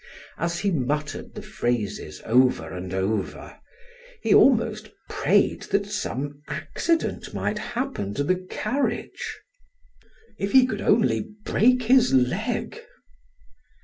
As he muttered the phrases over and over, he almost prayed that some accident might happen to the carriage; if he could only break his leg!